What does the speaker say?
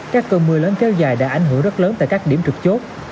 các cơn mưa lớn kéo dài đã ảnh hưởng rất lớn tại các điểm trực chốt